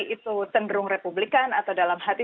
itu cenderung republikan atau dalam hati